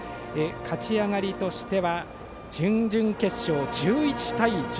勝ち上がりとしては準々決勝、１１対１０。